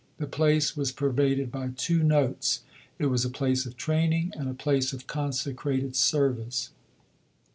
The place was pervaded by two notes. It was a place of training, and a place of consecrated service.